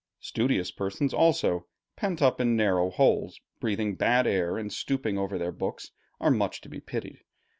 Studious persons also, pent up in narrow holes, breathing bad air, and stooping over their books, are much to be pitied.